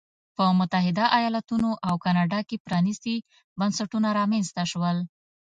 په متحده ایالتونو او کاناډا کې پرانیستي بنسټونه رامنځته شول.